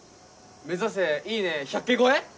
目指せいいね１００ｋ超え？